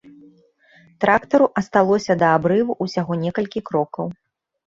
Трактару асталося да абрыву ўсяго некалькі крокаў.